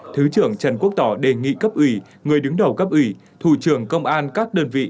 thứ trưởng trần quốc tỏ đề nghị cấp ủy người đứng đầu cấp ủy thủ trưởng công an các đơn vị